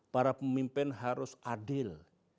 para pemimpin harus adil